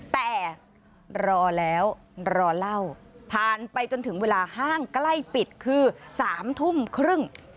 แต่รอแล้วรอเล่าผ่านไปจนถึงเวลาห้างใกล้ปิดคือ๓ทุ่มครึ่ง